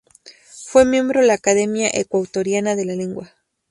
Fue miembro la Academia Ecuatoriana de la Lengua.